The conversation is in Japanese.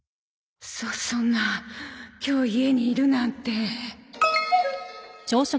そそんな今日家にいるなんて